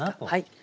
はい。